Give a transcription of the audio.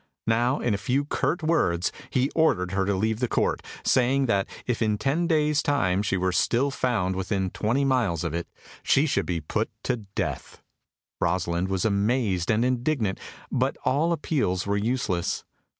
Now, in a few curt words, he ordered her to leave the Court, saying that if in ten days' time she were still found within twenty miles of it, she should be put to death. Rosalind was amazed and indignant, but all appeals were useless.